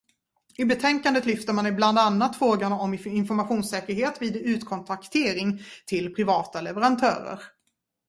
I betänkandet lyfter man bland annat frågan om informationssäkerhet vid utkontraktering till privata leverantörer.